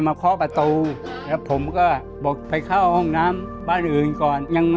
เคาะประตูแล้วผมก็บอกไปเข้าห้องน้ำบ้านอื่นก่อน